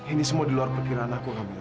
ini semua di luar pikiran aku kak mila